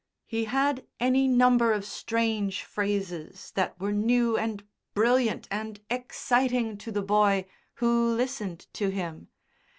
He had any number of strange phrases that were new and brilliant and exciting to the boy, who listened to him.